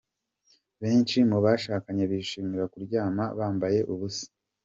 Benshi mu bashakanye bishimira kuryama bambaye ubusa